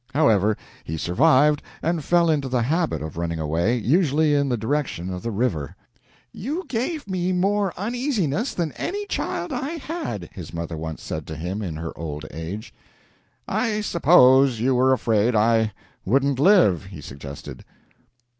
However, he survived, and fell into the habit of running away, usually in the direction of the river. "You gave me more uneasiness than any child I had," his mother once said to him, in her old age. "I suppose you were afraid I wouldn't live," he suggested.